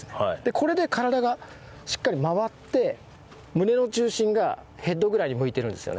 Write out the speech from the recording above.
これで体がしっかり回って胸の中心がヘッドぐらいに向いてるんですよね。